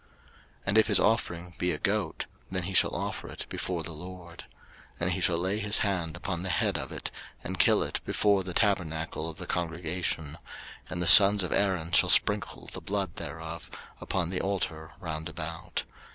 03:003:012 And if his offering be a goat, then he shall offer it before the LORD. 03:003:013 And he shall lay his hand upon the head of it, and kill it before the tabernacle of the congregation: and the sons of Aaron shall sprinkle the blood thereof upon the altar round about.